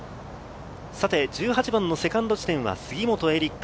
１８番のセカンド地点は杉本エリック。